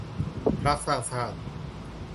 พรรคสร้างชาติ